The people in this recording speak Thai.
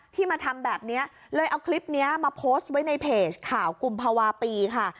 มาทำแบบนี้เลยเอาคลิปนี้มาโพสต์ไว้ในเพจข่าวกุมภาวะปีค่ะ